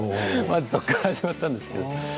まずそこから始まったんですけど。